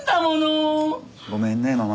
ごめんねママ。